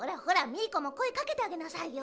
ミーコもこえかけてあげなさいよ。